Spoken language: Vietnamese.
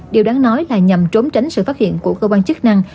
điều đáng nói là nhằm trốn tránh sự phát hiện của cơ quan chức năng